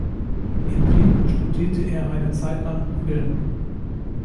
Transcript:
In Wien studierte er eine Zeitlang Film.